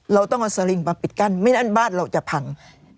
เราต้องเอาสลิงมาปิดกั้นไม่งั้นบ้านเราจะพัง